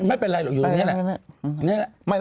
ไม่เป็นไรแล้ว